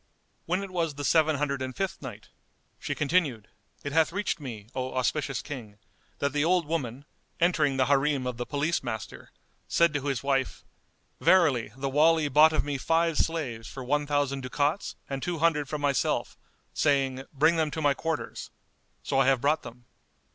When it was the Seven Hundred and Fifth Night, She continued, It hath reached me, O auspicious King, that the old woman, entering the Harim of the Police Master, said to his wife, "Verily the Wali bought of me five slaves for one thousand ducats and two hundred for myself, saying, 'Bring them to my quarters.' So I have brought them."